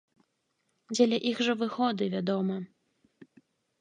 Дзеля іх жа выгоды, вядома.